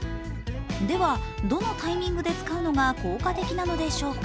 では、どのタイミングで使うのが効果的なのでしょうか？